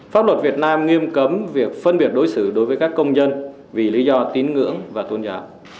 pháp luật việt nam nghiêm cấm việc phân biệt đối xử đối với các công nhân vì lý do tín ngưỡng và tôn giáo